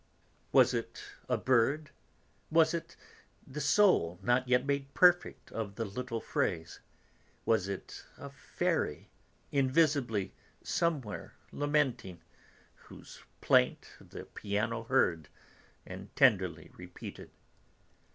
Was it a bird, was it the soul, not yet made perfect, of the little phrase, was it a fairy, invisibly somewhere lamenting, whose plaint the piano heard and tenderly repeated?